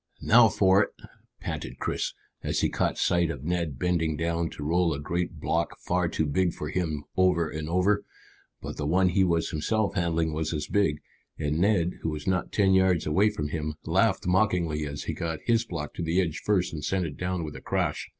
"Now for it!" panted Chris, as he caught sight of Ned bending down to roll a great block far too big for him over and over. But the one he was himself handling was as big, and Ned, who was not ten yards away from him, laughed mockingly as he got his block to the edge first and sent it down with a crash.